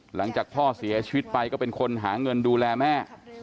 หลังจากพ่อเสียชีวิตไปก็เป็นคนหาเงินดูแลแม่